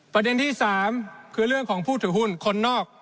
ประเด็นที่๓คือเรื่องของผู้ถือหุ้นคนนอก